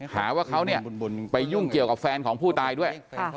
หาว่าเขาเนี่ยไปยุ่งเกี่ยวกับแฟนของผู้ตายด้วย